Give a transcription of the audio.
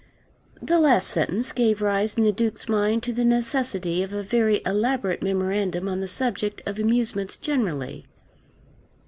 The last sentence gave rise in the Duke's mind to the necessity of a very elaborate memorandum on the subject of amusements generally.